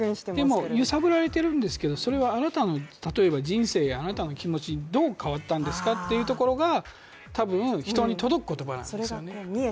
でも、揺さぶられてるんですけど、例えば、それはあなたの人生やあなたの気持ちがどう変わったんですかというところが、多分、人に届く言葉なんですよね。